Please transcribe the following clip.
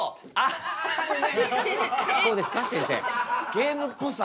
ゲームっぽさ。